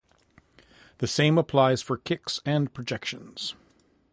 The same applies for kicks and projections.